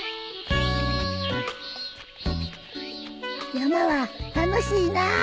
山は楽しいな。